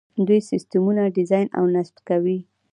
دوی سیسټمونه ډیزاین او نصب کوي.